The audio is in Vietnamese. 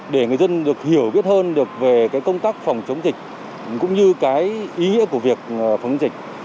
để người dân được hiểu biết hơn về công tác phòng chống dịch cũng như ý nghĩa của việc phòng chống dịch